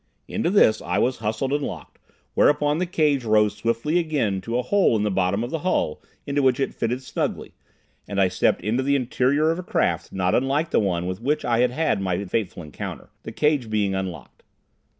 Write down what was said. Into this I was hustled and locked, whereupon the cage rose swiftly again to a hole in the bottom of the hull, into which it fitted snugly, and I stepped into the interior of a craft not unlike the one with which I had had my fateful encounter, the cage being unlocked.